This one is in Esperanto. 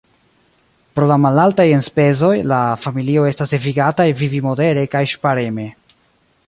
Pro la malaltaj enspezoj, la familioj estas devigataj vivi modere kaj ŝpareme.